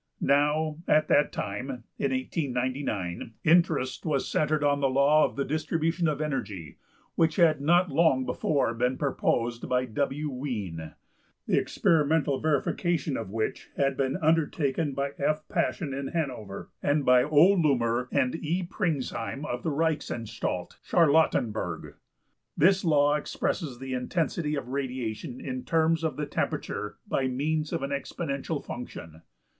Now, at that time, in 1899, interest was centred on the law of the distribution of energy, which had not long before been proposed by W.~Wien(6), the experimental verification of which had been undertaken by F.~Paschen in Hanover and by O.~Lummer and E.~Pringsheim of the Reichsanstalt, Charlottenburg. This law expresses the intensity of radiation in terms of the temperature by means of an exponential function.